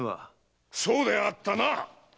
そうであったな！